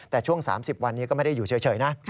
แต่ช่วง๓๐วันนี้ก็ไม่ได้อยู่เฉยนะ